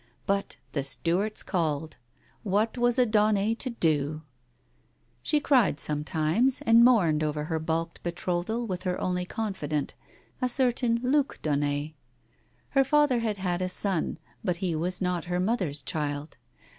But the Stuarts called ! What was a Daunet to do ? She cried sometimes and mourned over her baulked betrothal with her only confidant, a certain Luke Daunet. Her father had had a son, but he was not her mother's child.